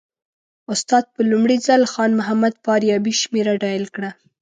استاد په لومړي ځل خان محمد فاریابي شمېره ډایل کړه.